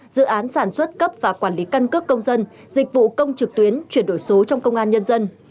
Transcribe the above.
dự án sản xuất cấp và quản lý căn cước công dân dịch vụ công trực tuyến chuyển đổi số trong công an nhân dân